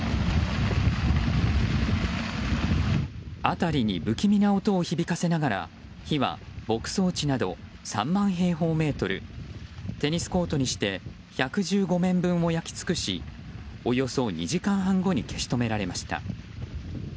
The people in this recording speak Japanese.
辺りに不気味な音を響かせながら火は牧草地など３万平方メートルテニスコートにして１１５面分を焼き尽くしおよそ２時間半後に消し止められました。